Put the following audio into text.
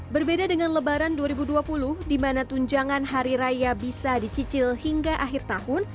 berbeda dengan lebaran dua ribu dua puluh di mana tunjangan hari raya bisa dicicil hingga akhir tahun